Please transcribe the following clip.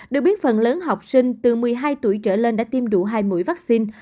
được biết phần lớn học sinh từ một mươi hai tuổi trở lên đã tiêm đủ hai mũi vaccine